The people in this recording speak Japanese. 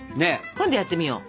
今度やってみよう。